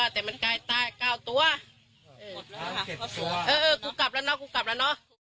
แต่มันกลายตายเก้าตัวเออช้างเจ็ดตัวเออเออกูกลับแล้วเนอะ